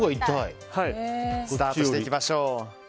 スタートしていきましょう。